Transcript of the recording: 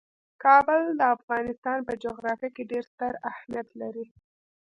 کابل د افغانستان په جغرافیه کې ډیر ستر اهمیت لري.